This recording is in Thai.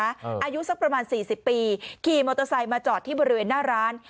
อายุสักประมาณ๔๐ปีขี่มอเตอร์ไซค์มาจอดที่บริเวณหน้าร้าน